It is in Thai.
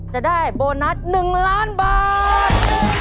จะได้โบนัส๑ล้านบาท